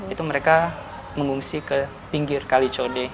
itu mereka mengungsi ke pinggir kalicode